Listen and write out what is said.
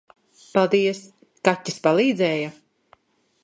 Paldies. Kaķis palīdzēja?